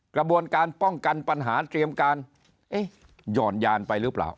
กระบวนการป้องกันปัญหาเตรียมการหย่อนยานไปหรือเปล่า